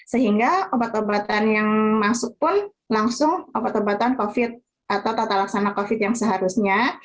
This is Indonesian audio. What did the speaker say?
sehingga obat obatan yang masuk pun langsung obat obatan covid atau tata laksana covid yang seharusnya